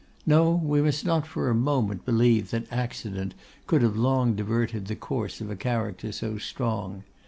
No, we must not for a moment believe that accident could have long diverted the course of a character so strong.